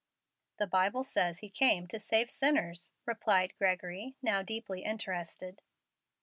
"The Bible says He came to save sinners," replied Gregory, now deeply interested.